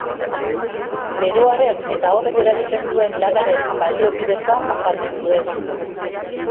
Beroaren eta horrek eragiten duen lanaren baliokidetza azaldu zuen.